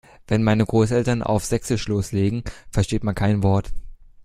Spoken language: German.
Wenn meine Großeltern auf sächsisch loslegen, versteht man kein Wort.